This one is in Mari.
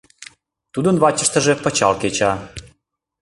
Тудын вачыштыже пычал кеча.